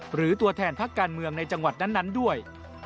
หรือตัวแทนพักการเมืองในจังหวัดนั้นด้วย